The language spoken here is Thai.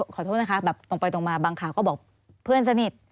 ขอโทษนะคะแบบตรงไปตรงมาบางข่าวก็บอกเพื่อนสนิท